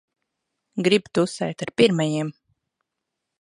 Grib tusēt ar pirmajiem.